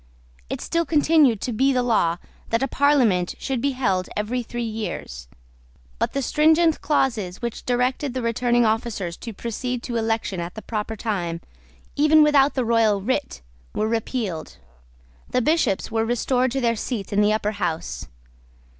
It still continued to be the law that a Parliament should be held every three years: but the stringent clauses which directed the returning officers to proceed to election at the proper time, even without the royal writ, were repealed. The Bishops were restored to their seats in the Upper House.